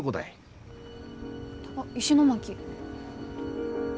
あっ石巻。